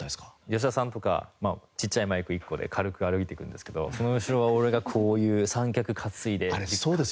吉田さんとかちっちゃいマイク１個で軽く歩いて行くんですけどその後ろを俺がこういう三脚担いでっていう。